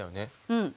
うん。